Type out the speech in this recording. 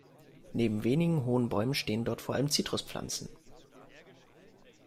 Neben wenigen hohen Bäumen stehen dort vor allem Zitruspflanzen.